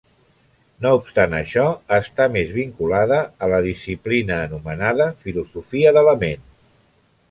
No obstant això, està més vinculada a la disciplina anomenada filosofia de la ment.